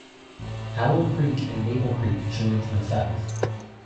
Owl Creek and Maple Creek join from the south.